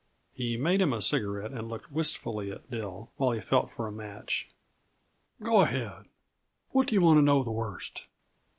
He made him a cigarette and looked wistfully at Dill, while he felt for a match. "Go ahead. What do yuh want to know the worst?"